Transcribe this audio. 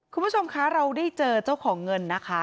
คุณผู้ชมคะเราได้เจอเจ้าของเงินนะคะ